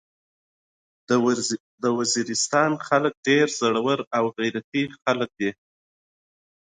د وزيرستان خلک ډير زړور او غيرتي خلک دي.